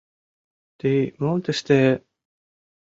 — Тый мом тыште...